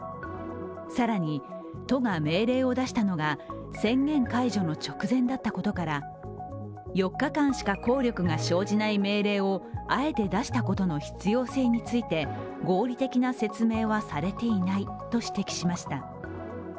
更に、都が命令を出したのが宣言解除の直前だったことから４日間しか効力が生じない命令をあえて出したことの必要性について合理的な説明はされていないと指摘しました。